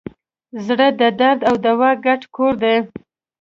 زړه د درد او دوا ګډ کور دی.